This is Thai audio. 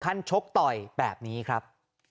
ชกต่อยแบบนี้ครับ